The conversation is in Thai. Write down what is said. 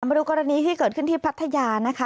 มาดูกรณีที่เกิดขึ้นที่พัทยานะคะ